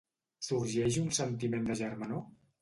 Sorgeix un sentiment de germanor?